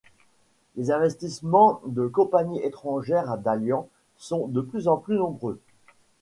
Les investissements de compagnies étrangères à Dalian sont de plus en plus nombreux.